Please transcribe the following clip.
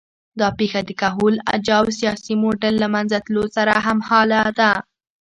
دا پېښه د کهول اجاو سیاسي موډل له منځه تلو سره هممهاله ده